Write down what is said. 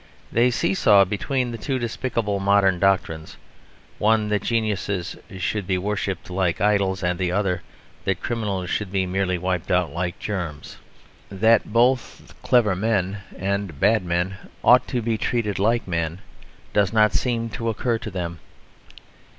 They see saw between the two despicable modern doctrines, one that geniuses should be worshipped like idols and the other that criminals should be merely wiped out like germs. That both clever men and bad men ought to be treated like men does not seem to occur to them.